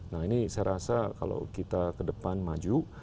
nah ini saya rasa kalau kita ke depan maju